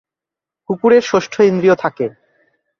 কুকুরের ষষ্ঠ ইন্দ্রিয় থাকে।